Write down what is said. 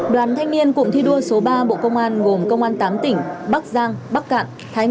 đoàn thanh niên cụm thi đua số ba bộ công an gồm công an tám tỉnh bắc giang bắc cạn